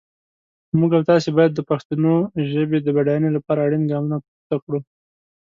موږ او تاسي باید د پښتو ژپې د بډاینې لپاره اړین ګامونه پورته کړو.